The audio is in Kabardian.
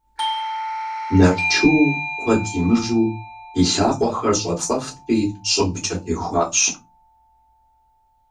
Нарчу куэд имыжу и лъакъуэхэр щӀэцӀэфтри щӀыбкӀэ техуащ.